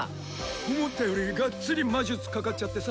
思ったよりがっつり魔術かかっちゃってさ